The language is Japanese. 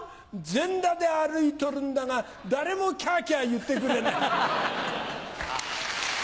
全裸で歩いとるんだが誰もキャキャ言ってくれない。